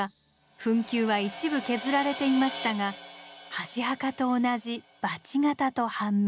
墳丘は一部削られていましたが箸墓と同じバチ形と判明。